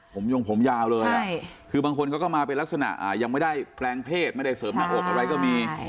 ผมยงผมยาวเลยคือบางคนเขาก็มาเป็นลักษณะยังไม่ได้แปลงเพศไม่ได้เสริมหน้าอกอะไรก็มี